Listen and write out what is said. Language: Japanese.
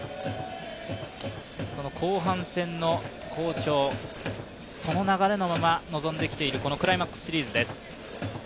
その後半戦の好調、その流れのまま臨んできているクライマックスシリーズです。